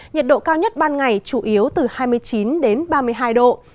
nhiệt độ cao nhất ban ngày chủ yếu từ hai mươi chín đến ba mươi hai độ